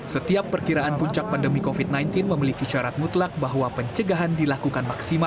setiap perkiraan puncak pandemi covid sembilan belas memiliki syarat mutlak bahwa pencegahan dilakukan maksimal